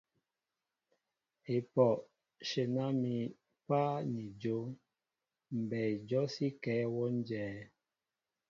Epoh ! shenan mi páá ni jon, mbɛy jɔsíŋkɛɛ wón jɛέ.